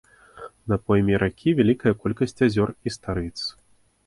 На пойме ракі вялікая колькасць азёр і старыц.